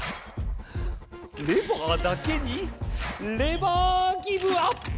レバーだけにレバーギブアップ！